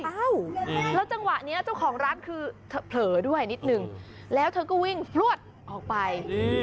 อ้าวแล้วจังหวะนี้เจ้าของร้านคือเธอเผลอด้วยนิดนึงแล้วเธอก็วิ่งพลวดออกไป